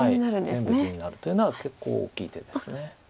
全部地になるというのは結構大きい手です。